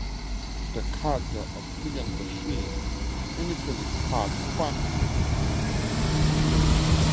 The character of Julian Bashir initially sparked fan criticism.